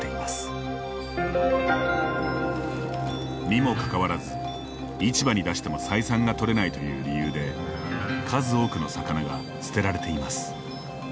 にもかかわらず、市場に出しても採算が取れないという理由で数多くの魚が捨てられています。